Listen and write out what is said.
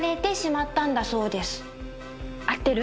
合ってる？